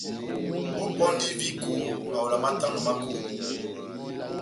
Ópɔndi viko mawela matano ma kolo.